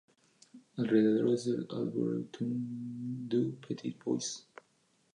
Alrededores del ""Arboretum du Petit Bois""